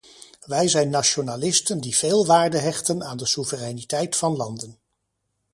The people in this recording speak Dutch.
Wij zijn nationalisten die veel waarde hechten aan de soevereiniteit van landen.